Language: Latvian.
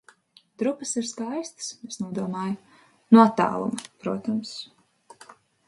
Drupas ir skaistas, es nodomāju. No attāluma, protams.